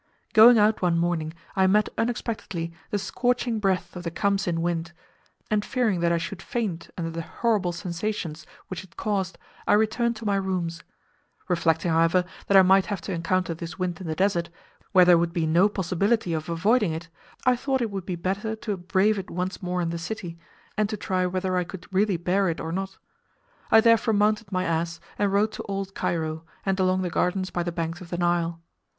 Going out one morning I met unexpectedly the scorching breath of the kamsin wind, and fearing that I should faint under the horrible sensations which it caused, I returned to my rooms. Reflecting, however, that I might have to encounter this wind in the Desert, where there would be no possibility of avoiding it, I thought it would be better to brave it once more in the city, and to try whether I could really bear it or not. I therefore mounted my ass and rode to old Cairo, and along the gardens by the banks of the Nile.